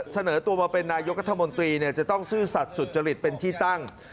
เสนอตัวมาเป็นนายกรัฐมนตรีจะต้องซื่อสัตว์สุจริตเป็นที่ตั้ง